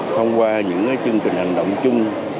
thông qua những chương trình hành động chung